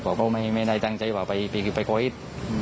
เพราะมันไม่ได้โดยจริงว่ากลิ่งไปโกอิส